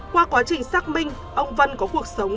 qua quá trình xác minh ông vân có cuộc sống